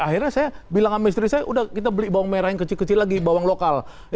akhirnya saya bilang sama istri saya udah kita beli bawang merah yang kecil kecil lagi bawang lokal